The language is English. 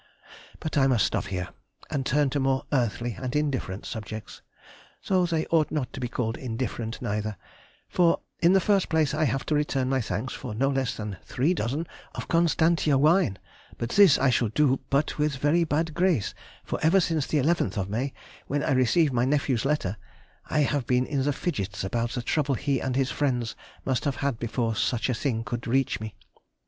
_] But I must stop here and turn to more earthly and indifferent subjects (though they ought not to be called indifferent neither), for in the first place I have to return my thanks for no less than three dozen of Constantia wine, but this I shall do but with a very bad grace, for ever since the 11th of May, when I received my nephew's letter, I have been in the fidgets about the trouble he and his friends must have had before such a thing could reach me....